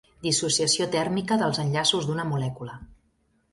Dissociació tèrmica dels enllaços d'una molècula.